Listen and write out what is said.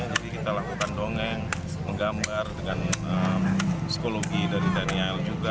jadi kita lakukan dongeng menggambar dengan psikologi dari daniel juga